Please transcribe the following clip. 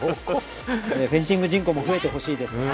フェンシング人口も増えてほしいです。